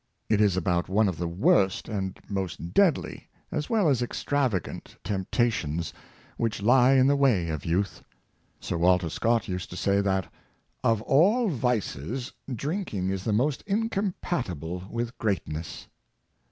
It is about one of the worst and most deadly, as well as ex travagant temptations which lie in the way of youth. Sir Walter Scott used to say that, ." of all vices, drink ing is the most incompatible with greatness."